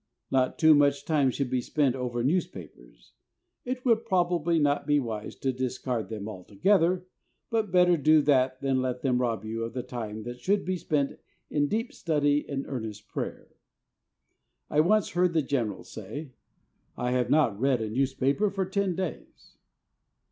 Not too much time should be spent over newspapers. It would probably not be wise to discard them altogether, but better do that than let them rob you of the time that should be spent in deep study and earnest prayer. I once heard the General say, "I have not read a newspaper for ten days."